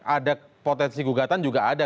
ada potensi gugatan juga ada